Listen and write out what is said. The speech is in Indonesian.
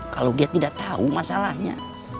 kalau dia tidak tahu masalahnya